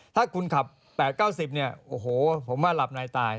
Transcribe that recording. ถ้าคุณขับ๘๙๐เนี่ยโอ้โหผมว่าหลับในตาย